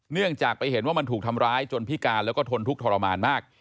เนื่องจากไปเห็นว่ามันถูกทำร้ายจนพิการแล้วก็ทนทุกข์ทรมานมาก